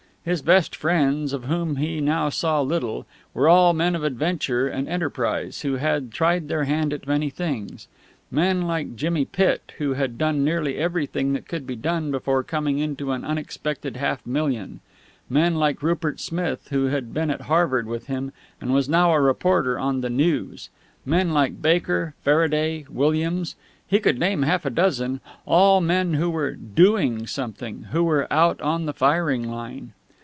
His best friends, of whom he now saw little, were all men of adventure and enterprise, who had tried their hand at many things; men like Jimmy Pitt, who had done nearly everything that could be done before coming into an unexpected half million; men like Rupert Smith, who had been at Harvard with him and was now a reporter on the News; men like Baker, Faraday, Williams he could name half a dozen, all men who were doing something, who were out on the firing line.